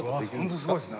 すごいですね！